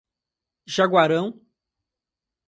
Jaguarão